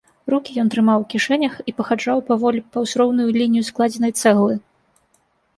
Рукі ён трымаў у кішэнях і пахаджаў паволі паўз роўную лінію складзенай цэглы.